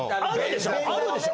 あるでしょ？